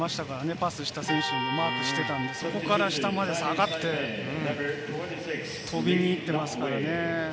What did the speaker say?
パスを出した選手もマークしていて、そこから下まで下がって飛びに行っていますからね。